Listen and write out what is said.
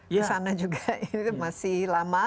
di sana juga ini masih lama